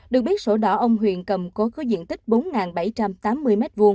được biết sổ đỏ ông huyền cầm có diện tích bốn bảy trăm tám mươi m hai